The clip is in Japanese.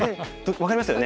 分かりますよね。